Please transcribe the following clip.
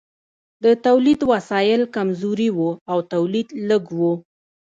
د تولید وسایل کمزوري وو او تولید لږ و.